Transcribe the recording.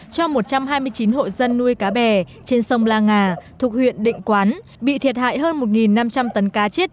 cho một trăm hai mươi chín hộ dân nuôi cá bè trên sông la ngà thuộc huyện định quán bị thiệt hại hơn một năm trăm linh tấn cá chết